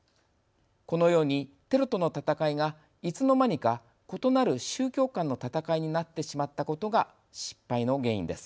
このようにテロとの戦いがいつの間にか異なる宗教間の戦いになってしまったことが失敗の原因です。